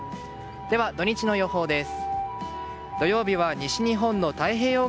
では、土日の予報です。